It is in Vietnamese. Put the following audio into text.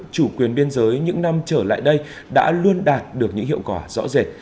chủ quyền biên giới những năm trở lại đây đã luôn đạt được những hiệu quả rõ rệt